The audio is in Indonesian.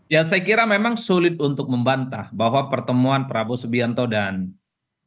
ya saya kira memang sulit untuk membantah bahwa pertemuan prabowo sybianto dan surya paloh beberapa waktu yang lalu